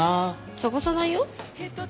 捜さないよ。